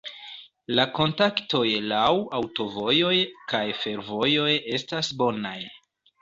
La kontaktoj laŭ aŭtovojoj kaj fervojoj estas bonaj.